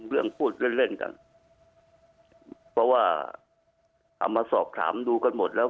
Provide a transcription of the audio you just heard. เรื่องพูดเล่นเล่นกันเพราะว่าเอามาสอบถามดูกันหมดแล้ว